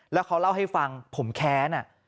แล้วเขาเล่าให้ฟังผมแค้น